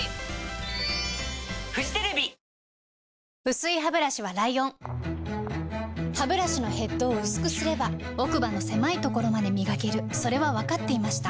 薄いハブラシはライオンハブラシのヘッドを薄くすれば奥歯の狭いところまで磨けるそれは分かっていました